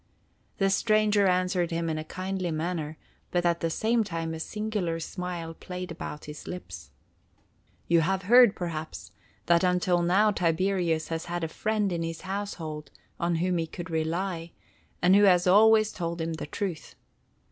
The stranger answered him in a kindly manner, but at the same time a singular smile played about his lips. "You have heard, perhaps, that until now Tiberius has had a friend in his household on whom he could rely, and who has always told him the truth.